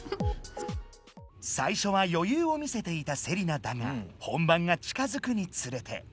最初はよゆうを見せていたセリナだが本番が近づくにつれて。